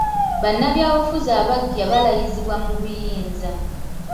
Bannabyabufuzi abaggya balayizibwa mu buyinza.